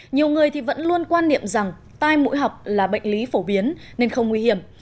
nhiều người thì vẫn luôn quan niệm rằng tai mũi họng là bệnh lý phổ biến nên không nguy hiểm